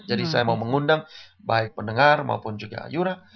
jadi saya mau mengundang baik pendengar maupun juga ayur